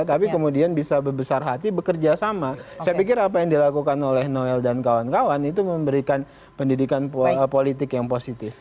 tapi kemudian bisa berbesar hati bekerja sama saya pikir apa yang dilakukan oleh noel dan kawan kawan itu memberikan pendidikan politik yang positif